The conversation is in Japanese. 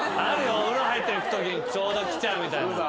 お風呂入ってるときちょうど来ちゃうみたいな。